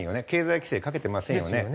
経済規制かけてませんよね。